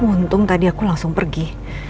untung tadi aku langsung pergi